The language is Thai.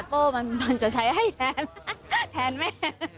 โป้มันจะใช้ให้แทนแม่